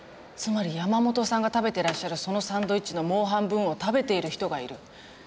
つまり山本さんが食べてらっしゃるそのサンドイッチのもう半分を食べている人がいる。